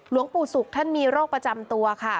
หลวงปู่ศุกร์ท่านมีโรคประจำตัวค่ะ